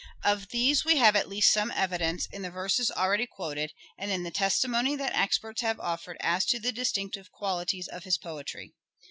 Of these we have at least some evidence, in the verses already quoted, and in the testimony that experts have offered as to the distinctive qualities of his poetry.